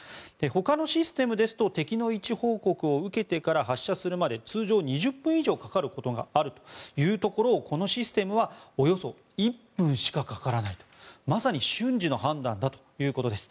ほかのシステムですと敵の位置報告を受けてから発射するまで通常２０分以上かかることがあるというところをこのシステムはおよそ１分しかかからないまさに瞬時の判断だということです。